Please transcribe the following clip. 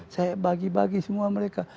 saya bagi bagi semua mereka